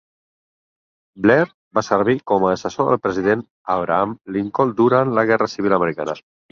Blair va servir com a assessor del president Abraham Lincoln durant la Guerra Civil americana.